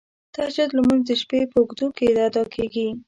تهجد لمونځ د شپې په اوږدو کې ادا کیږی.